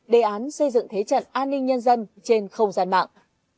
đề án xây dựng thế trận an ninh nhân dân trên không gian mạng